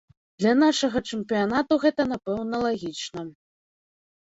Для нашага чэмпіянату гэта, напэўна, лагічна.